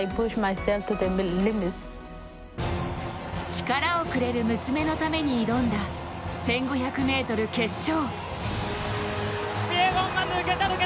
力をくれる娘のために挑んだ１５００ｍ決勝。